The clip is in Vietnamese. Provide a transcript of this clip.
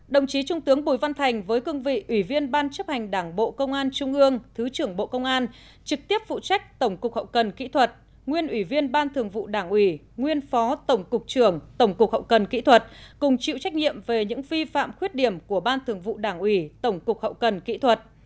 hai đồng chí trung tướng bùi văn thành với cương vị ủy viên ban chấp hành đảng bộ công an trung ương thứ trưởng bộ công an trực tiếp phụ trách tổng cục hậu cần kỹ thuật nguyên ủy viên ban thường vụ đảng ủy nguyên phó tổng cục trưởng tổng cục hậu cần kỹ thuật cùng chịu trách nhiệm về những vi phạm khuyết điểm của ban thường vụ đảng ủy tổng cục hậu cần kỹ thuật